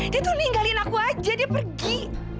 dia tuh ninggalin aku aja dia pergi